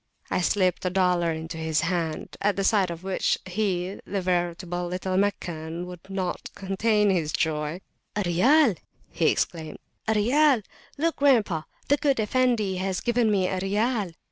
I slipped a dollar into his hand; at the sight of which he, veritable little Meccan, could not contain his joy. The Riyal! he exclaimed; the Riyal! look, grandpa, the good Effendi has given me a Riyal!